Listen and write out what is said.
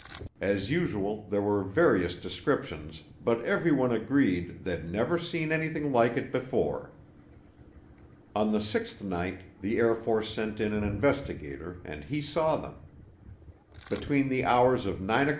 As usual there were various descriptions but everyone agreed "they'd never seen anything like it before." On the sixth night, the Air Force sent in an investigator and he saw them. Between the hours of 9:00P.